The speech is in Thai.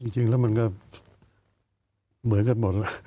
จริงแล้วมันก็เหมือนกันหมดแล้ว